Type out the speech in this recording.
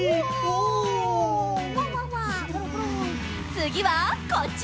つぎはこっち！